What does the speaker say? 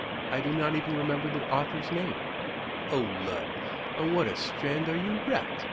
I do not even remember the author's name." "O lud! on what a strand are you wrecked!"